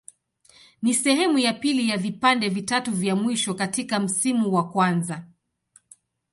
Ni sehemu ya pili ya vipande vitatu vya mwisho katika msimu wa kwanza.